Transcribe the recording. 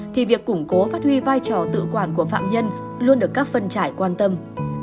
thì việc củng cố phát huy vai trò tự quản của phạm nhân luôn được các phân trải quan tâm